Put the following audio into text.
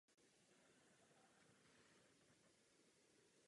V posledním desetiletí se stala velice populární také horská kola.